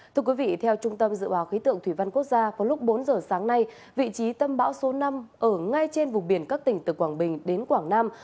thưa quý vị theo trung tâm dự báo khí tượng thủy văn quốc gia vào lúc bốn giờ sáng nay vị trí tâm bão số năm ở ngay trên vùng biển các tỉnh từ quảng bình đến quảng nam